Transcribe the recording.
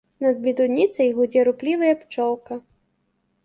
Над медуніцай гудзе руплівая пчолка.